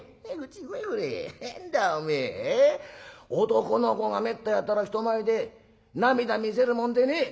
男の子がめったやたら人前で涙見せるもんでねえ。